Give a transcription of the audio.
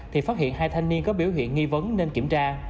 thì phát hiện hai thanh niên có biểu hiện nghi vấn nên kiểm tra